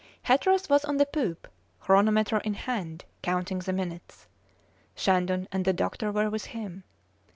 Hatteras was on the poop, chronometer in hand, counting the minutes; Shandon and the doctor were with him.